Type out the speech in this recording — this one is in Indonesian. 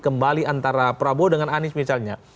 kembali antara prabowo dengan anies misalnya